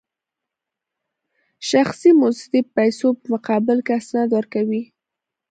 شخصي موسسې د پیسو په مقابل کې اسناد ورکوي